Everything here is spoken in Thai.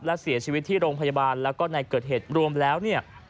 และเสียชีวิตที่โรงพยาบาลแล้วก็ในเกิดเหตุรวมแล้วเนี่ย